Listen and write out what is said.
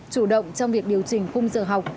chủ động trong việc điều chỉnh khung sửa học